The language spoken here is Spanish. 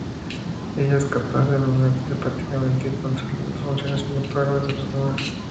Ella es capaz de anular telepáticamente y controlar las funciones motoras de los demás.